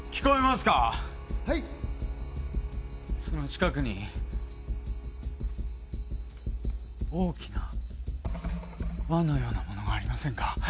その近くに大きな輪のようなものがありませんか？